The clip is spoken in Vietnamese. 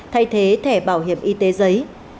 thay thế thẻ bảo hiểm y tế giấy